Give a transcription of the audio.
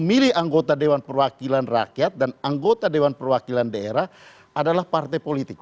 milih anggota dewan perwakilan rakyat dan anggota dewan perwakilan daerah adalah partai politik